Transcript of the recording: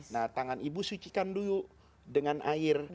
nah tangan ibu sucikan dulu dengan air